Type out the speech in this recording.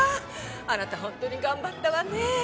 あなた本当に頑張ったわね。